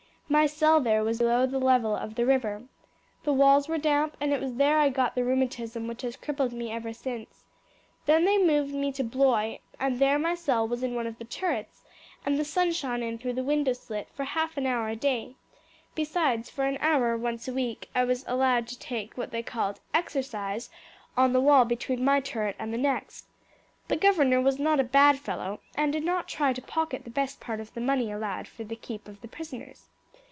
My cell there was below the level of the river. The walls were damp, and it was there I got the rheumatism which has crippled me ever since. Then they moved me to Blois, and there my cell was in one of the turrets, and the sun shone in through the window slit for half an hour a day; besides for an hour once a week I was allowed to take what they called exercise on the wall between my turret and the next. The governor was not a bad fellow, and did not try to pocket the best part of the money allowed for the keep of the prisoners.